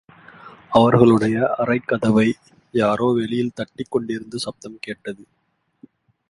அவர்களுடைய அறைக்கதவை யாரோ வெளியில் தட்டிக் கொண்டிருந்த சப்தம் கேட்டது.